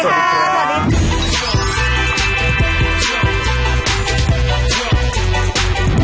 สวัสดีครับ